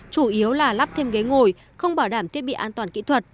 chủ yếu là lắp thêm ghế ngồi không bảo đảm thiết bị an toàn kỹ thuật